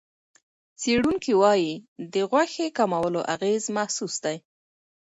څېړونکي وايي، د غوښې کمولو اغېز محسوس دی.